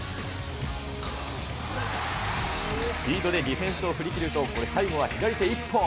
スピードでディフェンスを振り切ると、最後は左手一本。